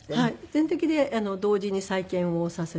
全摘で同時に再建をさせて頂いて。